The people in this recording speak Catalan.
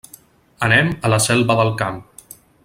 Anem a la Selva del Camp.